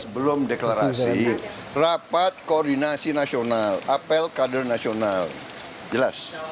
sebelum deklarasi rapat koordinasi nasional apel kader nasional jelas